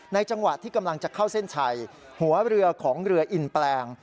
จังหวะที่กำลังจะเข้าเส้นชัยหัวเรือของเรืออินแปลง